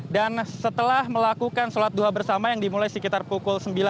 dan setelah melakukan sholat duha bersama yang dimulai sekitar pancasila